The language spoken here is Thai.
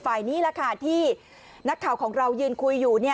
นี้แหละค่ะที่นักข่าวของเรายืนคุยอยู่